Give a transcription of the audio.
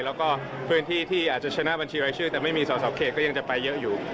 แล้วก็พื้นที่ที่อาจจะชนะบัญชีรายชื่อแต่ไม่มีสอสอเขตก็ยังจะไปเยอะอยู่